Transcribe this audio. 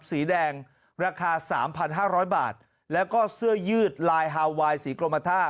สีแดงราคาสามพันห้าร้อยบาทแล้วก็เสื้อยืดลายฮาไวน์สีกรมท่า